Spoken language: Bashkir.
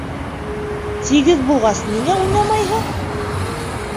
Тигеҙ булғас, ниңә уйнамайһың?